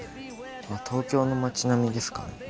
東京の街並みですかね？